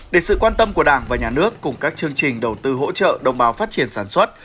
để sự quan tâm của đảng và nhà nước cùng các chương trình đầu tư hỗ trợ đồng bào phát triển sản xuất